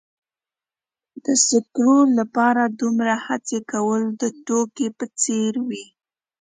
د سکرو لپاره دومره هڅې کول د ټوکې په څیر و.